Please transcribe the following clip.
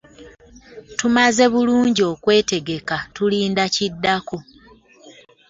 Tumaze bulungi okwetegeka tulinda kiddako